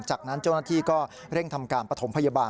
จากนั้นเจ้าหน้าที่ก็เร่งทำการปฐมพยาบาล